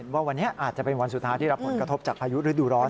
ว่าวันนี้อาจจะเป็นวันสุดท้ายที่รับผลกระทบจากพายุฤดูร้อน